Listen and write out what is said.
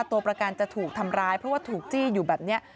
ตัวประกันจะถูกทำร้ายเพราะว่าถูกจี้อยู่แบบนี้